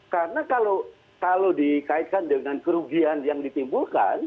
karena kalau dikaitkan dengan kerugian yang ditimbul